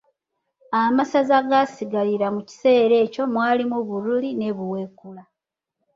Amasaza agaasigalira mu kiseera ekyo mwalimu Buruli ne Buweekula.